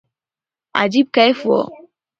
عجيب کيف وو.